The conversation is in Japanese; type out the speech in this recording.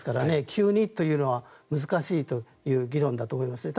急にというのは難しいという議論だと思いますね。